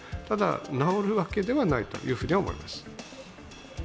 ただ、治るわけではないというふうに思います。